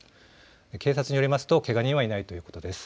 警察によりますとけが人はいないということです。